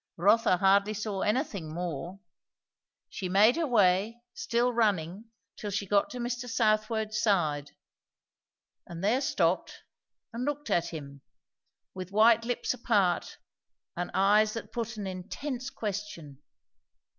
Rotha hardly saw anything more. She made her way, still running, till she got to Mr. Southwode's side, and there stopped and looked at him; with white lips apart and eyes that put an intense question.